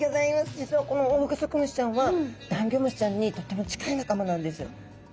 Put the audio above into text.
実はこのオオグソクムシちゃんはダンギョムシちゃんにとっても近い仲間なんです。